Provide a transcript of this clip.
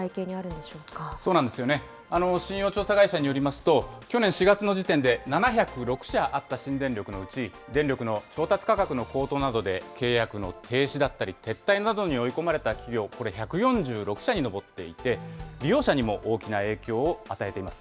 信用調査会社によりますと、去年４月の時点で７０６社あった新電力のうち、電力の調達価格の高騰などで契約の停止だったり、撤退などに追い込まれた企業、これ、１４６社に上っていて、利用者にも大きな影響を与えています。